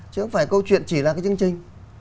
chứ không phải câu chuyện chỉ là cái chương trình